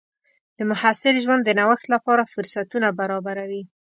د محصل ژوند د نوښت لپاره فرصتونه برابروي.